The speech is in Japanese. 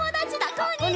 こんにちは。